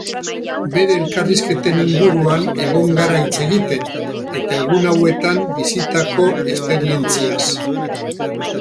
Bere elkarrizketen inguruan egon gara hitz egiten eta egun hauetan bizitako esperientziaz.